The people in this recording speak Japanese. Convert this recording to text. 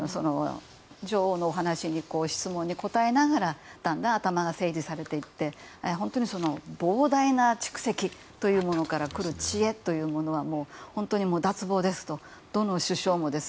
女王の質問に答えながらだんだん頭が整理されていって本当に膨大な蓄積というものからくる知恵というものは本当に脱帽ですとどの首相も。